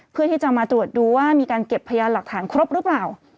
เพื่อที่จะมาตรวจดูว่ามีการเก็บพยานหลักฐานครบหรือเปล่า